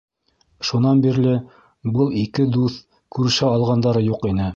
Шунан бирле был ике дуҫ күрешә алғандары юҡ ине.